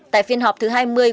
tại phiên họp thứ hai mươi của